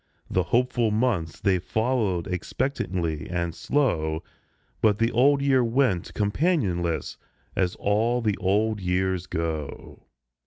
The hopeful months they followed expectantly and slow ; But the Old Year went companionless, as all the Old Years go.